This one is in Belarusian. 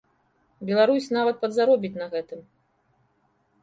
Беларусь нават падзаробіць на гэтым.